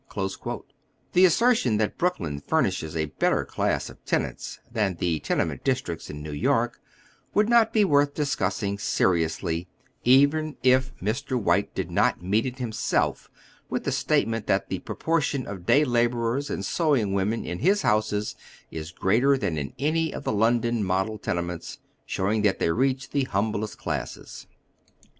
The assertion that Erooklyu furnishes a better class of tenants than the ten ement districts in New York would not be worth discuss ing seriously, even if Mr, White did not meet it himself with the statement that the proportion of day laborers and sewing women in his Iiouses is greater than in any of the London model tenements, showing tliat tliey reach the humblest classes.